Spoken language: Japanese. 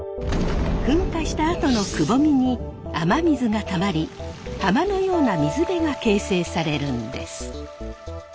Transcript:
噴火したあとのくぼみに雨水がたまり浜のような水辺が形成されるんです。